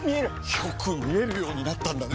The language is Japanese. よく見えるようになったんだね！